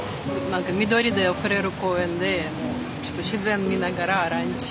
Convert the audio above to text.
緑であふれる公園でちょっと自然見ながらランチ。